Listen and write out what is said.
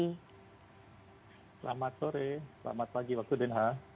selamat sore selamat pagi waktu den haag